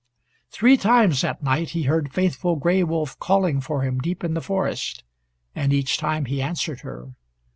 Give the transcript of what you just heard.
Three times that night he heard faithful Gray Wolf calling for him deep in the forest, and each time he answered her.